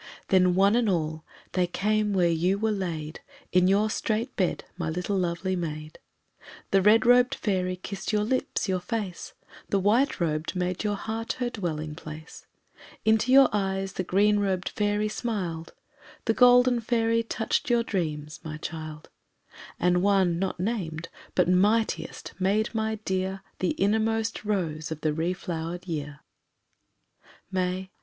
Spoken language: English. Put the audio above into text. Then, one and all, they came where you were laid In your strait bed, my little lovely maid; The red robed fairy kissed your lips, your face, The white robed made your heart her dwelling place. Into your eyes the green robed fairy smiled; The golden fairy touched your dreams, my child, And one, not named, but mightiest, made my Dear The innermost rose of the re flowered year. May, 1898.